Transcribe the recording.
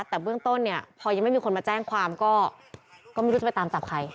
แต่เบื้องต้นเนี่ยพอยังไม่มีคนมาแจ้งความก็ไม่รู้จะไปตามจับใคร